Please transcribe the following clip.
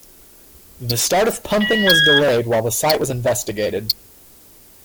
The start of pumping was delayed while the site was investigated.